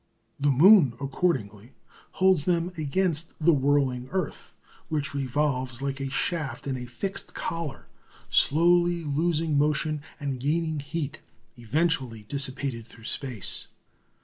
The moon, accordingly, holds them against the whirling earth, which revolves like a shaft in a fixed collar, slowly losing motion and gaining heat, eventually dissipated through space.